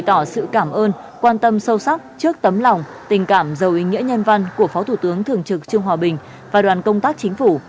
tình cảm dầu ý nghĩa nhân văn của phó thủ tướng thường trực trung hòa bình và đoàn công tác chính phủ